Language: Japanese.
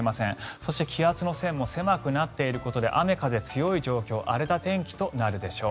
そして気圧の線も狭くなっていることで雨、風が強い状況荒れた天気となるでしょう。